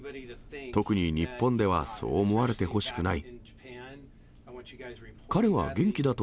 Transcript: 特に日本ではそう思われてほしくない。